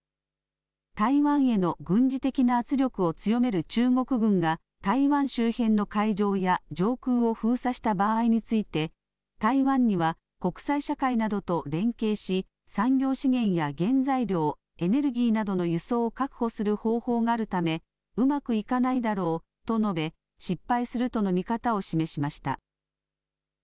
台湾への軍事的な圧力を強める中国軍が台湾周辺の海上や上空を封鎖した場合について、台湾には国際社会などと連携し産業資源や原材料、エネルギーなどの輸送を確保する方法があるためうまくいかないだろうと述べ失敗するとの見方を示しました。